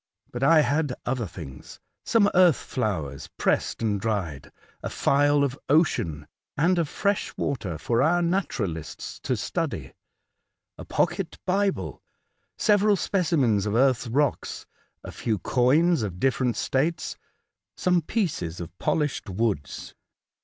But I had other things — some earth flowers, pressed and dried, a phial of ocean and of 80 A Voyage to Other Worlds, fresh water for our naturalists to study ; a pocket Bible, several specimens of earth's rocks, a few coins of different states, some pieces of polished woods.